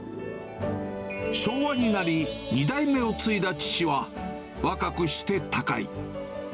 昭和になり、２代目を継いだ父は、若くして他界。